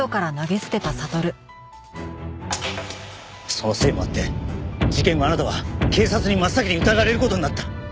そのせいもあって事件後あなたは警察に真っ先に疑われる事になった。